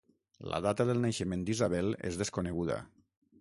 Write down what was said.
La data del naixement d'Isabel és desconeguda.